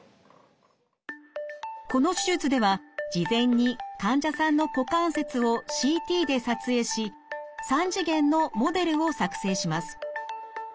この手術では事前に患者さんの股関節をＣＴで撮影し３次元のモデルを作成します。